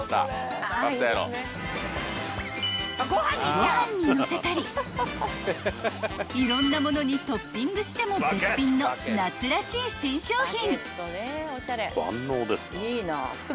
［ご飯にのせたりいろんなものにトッピングしても絶品の夏らしい新商品］